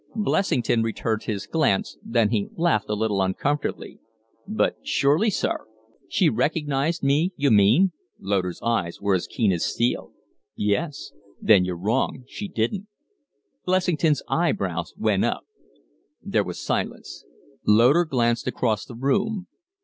Blessington returned his glance; then he laughed a little uncomfortably. "But surely, sir " "She recognized me, you mean?" Loder's eyes were as keen as steel. "Yes." "Then you're wrong. She didn't." Blessington's eyebrows went up. There was silence. Loder glanced across the room.